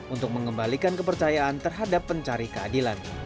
untuk mengembalikan kepercayaan terhadap pencari keadilan